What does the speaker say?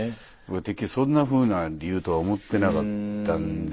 てっきりそんなふうな理由とは思ってなかったんで。